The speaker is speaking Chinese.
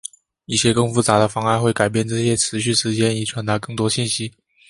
一些更复杂的方案会改变这些持续时间以传达更多信息。